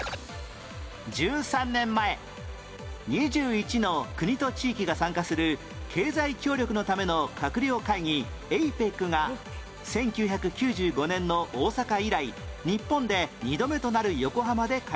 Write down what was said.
１３年前２１の国と地域が参加する経済協力のための閣僚会議 ＡＰＥＣ が１９９５年の大阪以来日本で２度目となる横浜で開催